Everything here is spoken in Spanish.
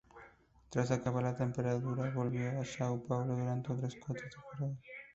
Tras acabar la temporada volvió a São Paulo durante otras cuatro temporadas.